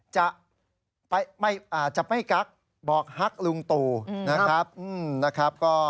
อาจจะไม่กักบอกฮักลุงตู่นะครับ